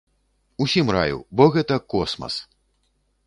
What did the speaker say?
Усім раю, бо гэта космас!